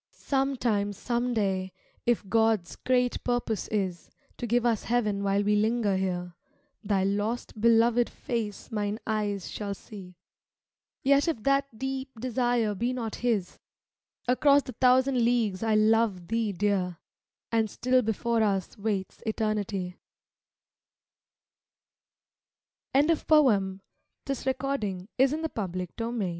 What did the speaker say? Sometime, someday, if God's great pur pose is To give us Heaven while we linger here, Thy lost, beloved face mine eyes shall see; Yet if that deep desire be not His, Across the thousand leagues I love thee, Dear, And still before us waits Eternity, [8i] Mintet PON my casement wintry winds may bl